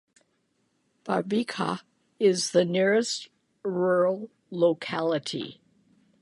Barvikha is the nearest rural locality.